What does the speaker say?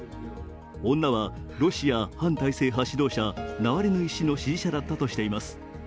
女は、ロシア反体制派指導者ナワリヌイ氏の支持者だったとしています。